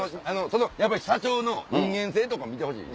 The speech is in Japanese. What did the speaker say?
やっぱり社長の人間性とかも見てほしい。